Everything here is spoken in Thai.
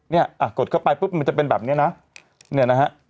เนี่ยกดเข้าไปปุ๊บมันจะเป็นแบบนี้นะเนี่ยนะฮะ